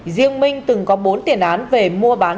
riêng minh từng có bốn tiền án về mua bán